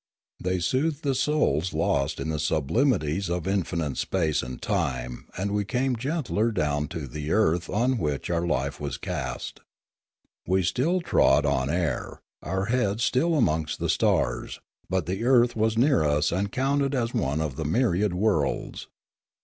They soothed the souls lost in the sublimities of in The Duomovamolan 227 finite space and time and we came gentlier down to the earth on which our life was cast. We still trod on air, our heads were still amongst the stars, but the earth was near us and counted as one of the myriad worlds.